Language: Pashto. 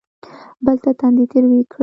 بل ته تندی تریو کړي.